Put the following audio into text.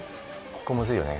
ここむずいよね。